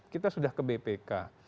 kita sudah ke bpk